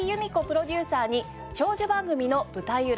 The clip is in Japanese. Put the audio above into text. プロデューサーに長寿番組の舞台裏